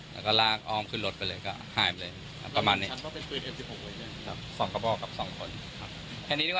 แล้วก็ลากอ้อมขึ้นรถไปเลยก็หายไปเลยประมาณนี้